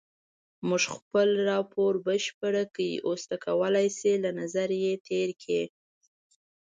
مونږ خپل راپور بشپړ کړی اوس ته کولای شې له نظر یې تېر کړې.